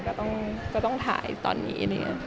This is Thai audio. ก็ต้องถ่ายตอนนี้